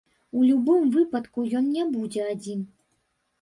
У любым выпадку, ён не будзе адзін.